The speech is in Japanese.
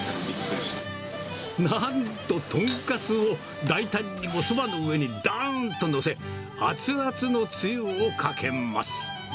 初めて出てきてなんと豚カツを、大胆にもそばの上にどんと載せ、熱々のつゆをかけます。